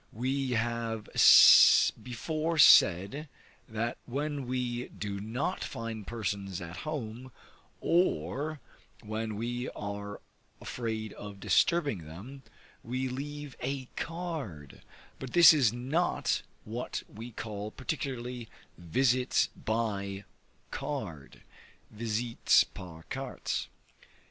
We have before said that when we do not find persons at home, or when we are afraid of disturbing them, we leave a card; but this is not what we call particularly visits by card (visites par cartes).